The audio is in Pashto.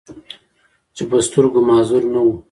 چې پۀ سترګو معذور نۀ وو،